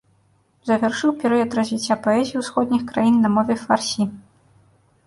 Завяршыў перыяд развіцця паэзіі ўсходніх краін на мове фарсі.